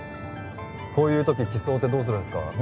こういう時機捜ってどうするんすか？